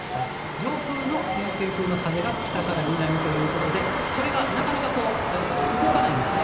上空の偏西風の風が北から南ということで、それがなかなかこう、動かないんですね。